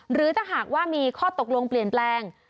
หรือถ้าหากว่ามีข้อตกลงเปลี่ยนแปลง